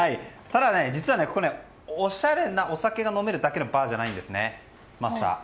ただ、実はおしゃれなお酒が飲めるだけのバーじゃないんですね。